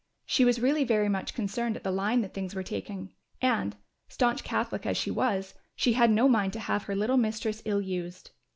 She was really very much concerned at the line that things were taking and, staunch Catholic as she was, she had no mind to have her little mistress ill used.